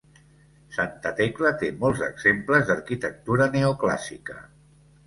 Santa Tecla té molts exemples d'arquitectura neoclàssica.